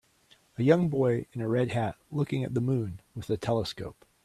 A young boy in a red hat looking at the moon with a telescope.